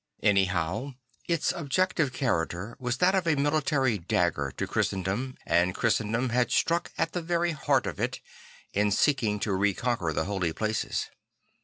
Anyhow its objective character was that of a military danger to Christendom and Christendom had struck at the very heart of it, in seeking to reconquer the Holy Places.